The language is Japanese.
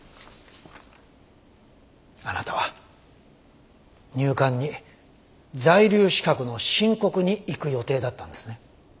あなたは入管に在留資格の申告に行く予定だったんですね？